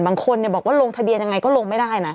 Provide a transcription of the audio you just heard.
บางคนบอกว่าลงทะเบียนยังไงก็ลงไม่ได้นะ